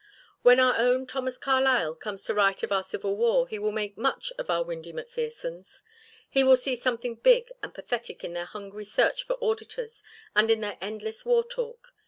When our own Thomas Carlyle comes to write of our Civil War he will make much of our Windy McPhersons. He will see something big and pathetic in their hungry search for auditors and in their endless war talk.